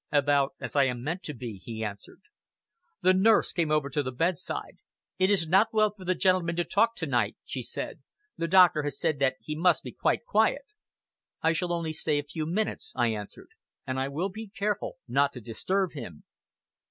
"About as I am meant to be," he answered. The nurse came over to the bedside. "It is not well for the gentleman to talk to night," she said. "The doctor has said that he must be quite quiet." "I shall only stay a few minutes," I answered; "and I will be careful not to disturb him."